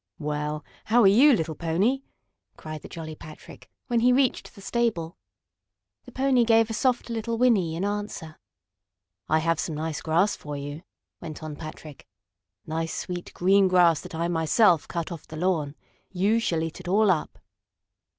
"Well, how are you, little pony?" cried the jolly Patrick, when he reached the stable. The pony gave a soft little whinny in answer. "I have some nice grass for you," went on Patrick. "Nice, sweet, green grass that I, myself, cut off the lawn. You shall eat it all up."